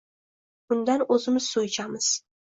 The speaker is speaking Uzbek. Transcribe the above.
Undan o‘zimiz suv ichamiz.